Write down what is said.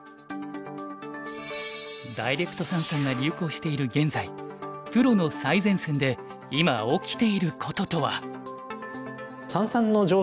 ダイレクト三々が流行している現在プロの最前線で今起きていることとは？